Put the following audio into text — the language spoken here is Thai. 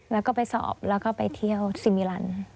แล้วก็ไปสอบแล้วก็ไปเที่ยวซิมิลัน